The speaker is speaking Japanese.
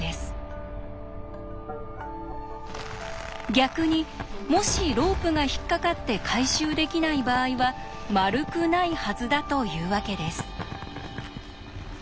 逆にもしロープが引っ掛かって回収できない場合は丸くないはずだというわけです。